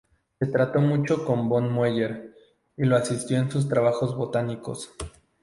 Se trató mucho con von Mueller y lo asistió en sus trabajos botánicos.